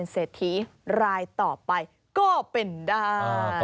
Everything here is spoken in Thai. สวัสดีครับสวัสดีครับ